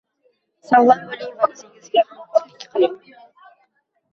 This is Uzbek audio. Sog'lom bo'ling va o'zingizga g'amxo'rlik qiling!